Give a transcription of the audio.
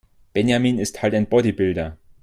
Benjamin ist halt ein Bodybuilder.